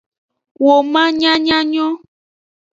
Woman nyanya nyon.